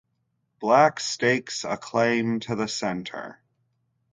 Black stakes a claim to the center.